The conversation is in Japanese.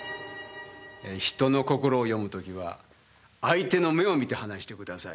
人の心を読むときは相手の目を見て話してください。